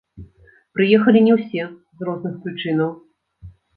Прыехалі не ўсе, з розных прычынаў.